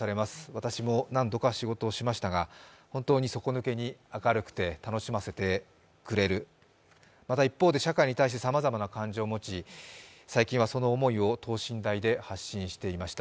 私も何度か仕事をしましたが本当に底抜けに明るくて楽しませてくれる、また一方で社会に対してさまざまな感情を持ち、最近はその思いを等身大で発信していました。